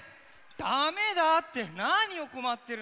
だめだってなにをこまってるの？